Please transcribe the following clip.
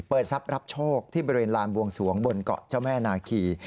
ทรัพย์รับโชคที่บริเวณลานบวงสวงบนเกาะเจ้าแม่นาคี